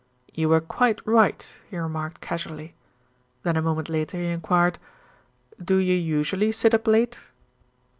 "You were quite right," he remarked casually. Then a moment later he enquired: "Do you usually sit up late?"